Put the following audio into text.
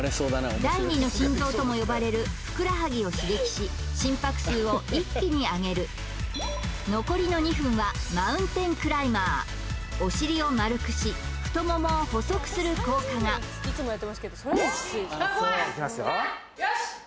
第二の心臓とも呼ばれるふくらはぎを刺激し心拍数を一気に上げる残りの２分はマウンテンクライマーお尻を丸くし太ももを細くする効果が怖いよし！